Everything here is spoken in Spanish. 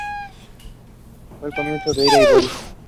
Fue el comienzo de la Era Hiboria.